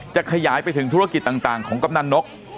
จะขยายไปถึงธุรกิจต่างของกำนันนก